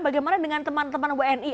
bagaimana dengan teman teman wni